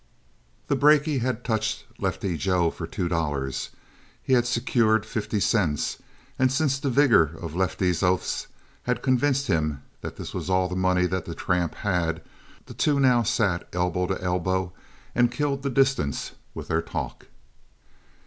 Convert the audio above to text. The brakie had touched Lefty Joe for two dollars; he had secured fifty cents; and since the vigor of Lefty's oaths had convinced him that this was all the money the tramp had, the two now sat elbow to elbow and killed the distance with their talk.